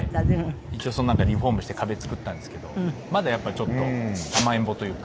一応リフォームして壁作ったんですけどまだやっぱりちょっと甘えん坊というか。